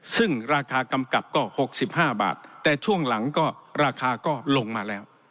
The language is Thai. ซึ่งราคากำกับก็๖๕บาทแต่ช่วงหลังก็ราคาก็ลงมาแล้ว